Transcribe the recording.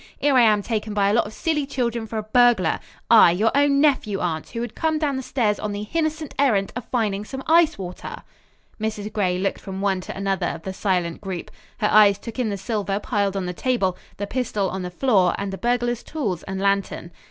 'Ere I am taken by a lot of silly children for a burglar. I, your own nephew, awnt, who 'ad come down stairs on the h'innocent h'errand of finding some h'ice water." Mrs. Gray looked from one to another of the silent group. Her eyes took in the silver piled on the table, the pistol on the floor and the burglar's tools and lantern.